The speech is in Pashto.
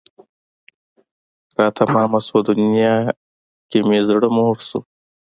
را تمامه شوه دنیا که مې زړه موړ شو